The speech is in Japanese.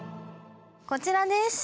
こちらです。